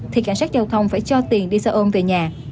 thì cảnh sát giao thông phải cho tiền đi xa ôn về nhà